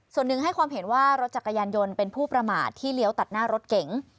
ส่วนหนึ่งให้ความเห็นว่ารถจักรยานยนต์เป็นผู้ประมาทที่เลี้ยวตัดหน้ารถเก๋ง